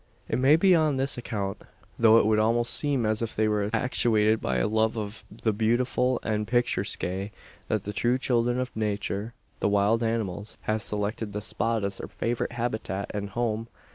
It may be on this account though it would almost seem as if they were actuated by a love of the beautiful and picturesque that the true children of Nature, the wild animals, have selected this spot as their favourite habitat and home.